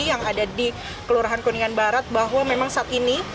yang ada di kelurahan kuningan barat bahwa memang saat ini